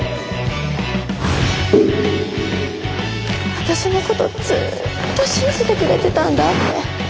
私のことずっと信じてくれてたんだって。